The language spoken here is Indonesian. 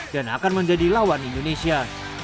dan akan menjadi lawan indonesia